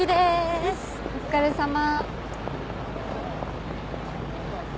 うんお疲れさま。